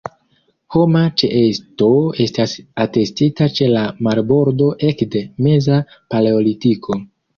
Homa ĉeesto estas atestita ĉe la marbordo ekde meza paleolitiko.